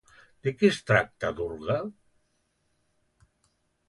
De qui es tracta Durga?